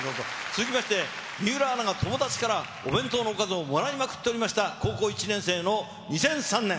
続きまして、水卜アナが友達からお弁当のおかずをもらいまくっておりました、高校１年生の２００３年。